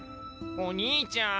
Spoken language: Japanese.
お兄ちゃん。